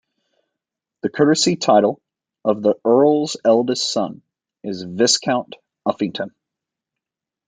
The courtesy title of the Earl's eldest son is Viscount Uffington.